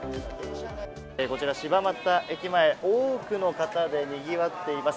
こちら柴又駅前、多くの方で賑わっています。